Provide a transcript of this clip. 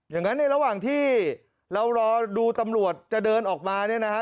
อย่างนั้นในระหว่างที่เรารอดูตำรวจจะเดินออกมาเนี่ยนะฮะ